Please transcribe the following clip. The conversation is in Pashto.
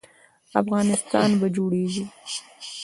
افغانستان به جوړیږي